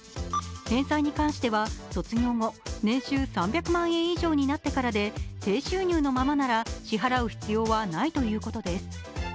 返済に関しては、卒業後、年収３００万円以上になってからで低収入のままなら支払う必要はないということです。